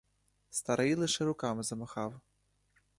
Старий лише руками замахав.